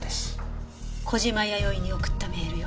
小島弥生に送ったメールよ。